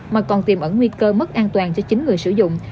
mà còn tiềm ẩn nguy cơ mất an toàn cho chính người sử dụng